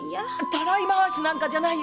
たらい回しじゃないよ